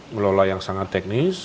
ngelola yang sangat teknis